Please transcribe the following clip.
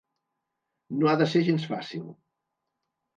No ha de ser gens fàcil.